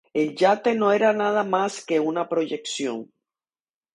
El yate no era nada más que una proyección.